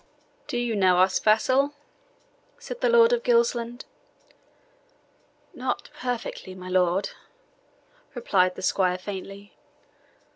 "Do you know us, vassal?" said the Lord of Gilsland. "Not perfectly, my lord," replied the squire faintly.